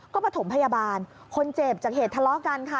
ก็ประถมพยาบาลคนเจ็บจากเหตุทะเลาะกันค่ะ